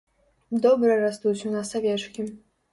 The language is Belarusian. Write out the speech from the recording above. Добра растуць у нас авечкі.